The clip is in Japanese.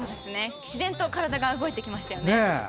自然と体が動いてきましたよね。